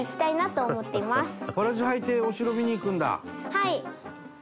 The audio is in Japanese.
はい。